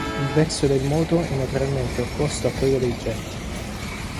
Il verso del moto è naturalmente opposto a quello dei getti.